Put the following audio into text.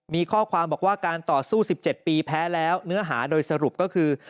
มีข้อความบอกว่าการต่อสู้๑๗ปีแพ้แล้วเนื้อหาโดยสรุปก็คือ